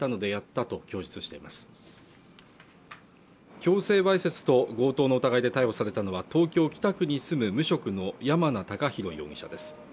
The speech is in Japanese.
強制わいせつと強盗の疑いで逮捕されたのは東京・北区に住む無職の山名孝弘容疑者です